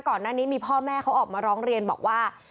ก่อนหน้านี้มีพ่อแม่เขาออกมาร้องเรียนบอกว่า